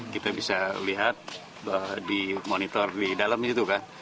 kita bisa lihat di monitor di dalamnya itu kan